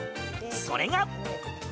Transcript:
それが。